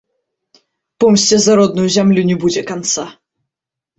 Помсце за родную зямлю не будзе канца!